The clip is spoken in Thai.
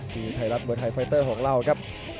ท่ายรัสเวิร์ดไฮไฟเตอร์ของเราครับ